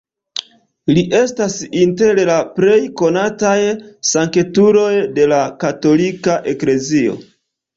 Li estas inter la plej konataj sanktuloj de la katolika eklezio.